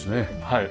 はい。